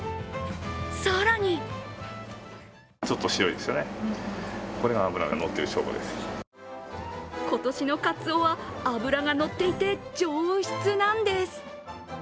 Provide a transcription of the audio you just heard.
更に今年のかつおは脂が乗っていて上質なんです。